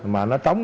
mà nó trống